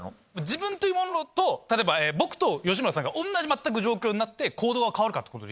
自分というものと例えば僕と吉村さんが全く同じ状況になって行動が変わるかってこと。